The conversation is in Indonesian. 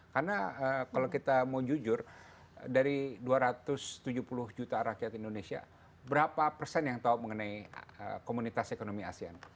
karena kalau kita mau jujur dari dua ratus tujuh puluh juta rakyat indonesia berapa persen yang tahu mengenai komunitas ekonomi asean